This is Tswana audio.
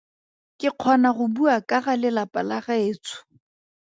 Ke kgona go bua ka ga lelapa la gaetsho.